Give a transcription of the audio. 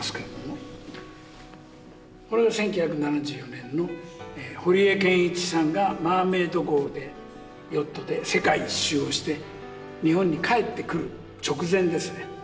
これは１９７４年の堀江謙一さんがマーメイド号でヨットで世界一周をして日本に帰ってくる直前ですね。